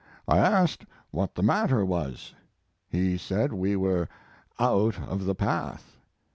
I asked what the matter was. He said we were out of the path.